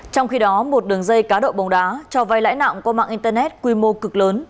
trong khi đó một đường dây cá độ bóng đá cho vai lãi nặng qua mạng internet quy mô cực lớn